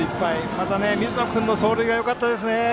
また水野君の走塁がよかったですね。